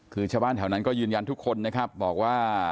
คือชาวบ้านแถวนั้นก็ยืนยันทุกคนนะครับบอกว่า